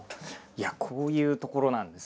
いやこういう所なんです。